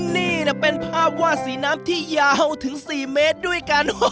นี่เป็นภาพวาดสีน้ำที่ยาวถึง๔เมตรด้วยกัน